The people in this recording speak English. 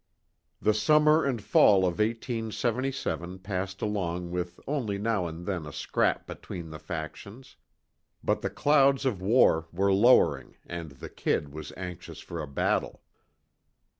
The summer and fall of 1877 passed along with only now and then a scrap between the factions. But the clouds of war were lowering, and the "Kid" was anxious for a battle.